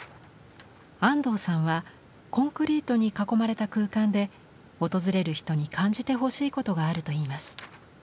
安藤さんはコンクリートに囲まれた空間で訪れる人に感じてほしいことがあるといいます。